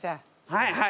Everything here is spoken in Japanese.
はいはい！